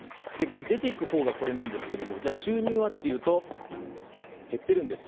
出ていくほうがこれなんですけれども収入はというと減っているんです。